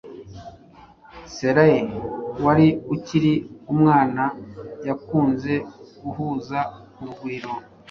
Saleh wari ukiri umwana yakunze guhuza urugwiro